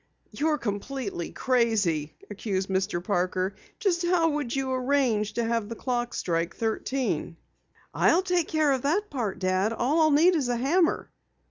"You're completely crazy!" accused Mr. Parker. "Just how would you arrange to have the clock strike thirteen?" "I'll take care of that part, Dad. All I'll need is a hammer."